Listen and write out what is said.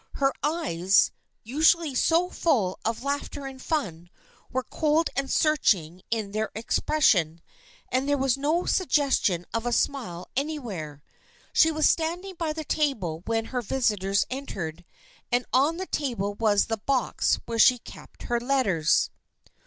Her eyes, usually so full of laughter and fun, were cold and searching in their expression, and there was no suggestion of a smile anywhere. She was standing by the table when her visitors entered, and on the table was the box where she kept her letters. THE FRIENDSHIP OF ANNE 23?